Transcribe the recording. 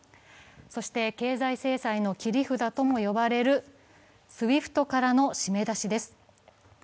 そして、経済制裁の切り札とも呼ばれるＳＷＩＦＴからの締め出しです